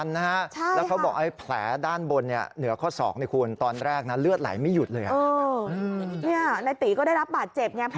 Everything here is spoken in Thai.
ใช่ค่ะมายังยังอยู่ในรถ